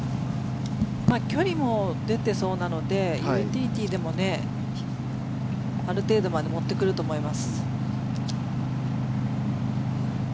距離も出てそうなのでユーティリティーでもある程度まで持ってくると思います。